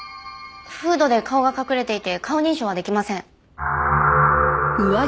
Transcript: フードで顔が隠れていて顔認証はできません。